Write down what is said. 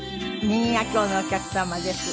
右が今日のお客様です。